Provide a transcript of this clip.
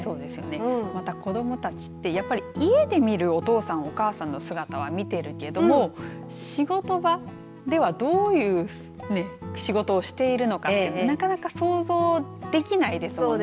また子どもたちって家で見るお父さん、お母さんの姿を見ているけど仕事場ではどういう仕事をしているのかなかなか想像できないですもんね。